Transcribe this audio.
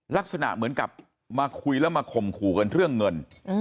ลักษณะเหมือนกับมาคุยแล้วมาข่มขู่กันเรื่องเงิน